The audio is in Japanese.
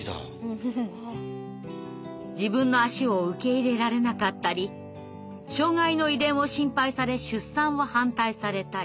自分の足を受け入れられなかったり障害の遺伝を心配され出産を反対されたり。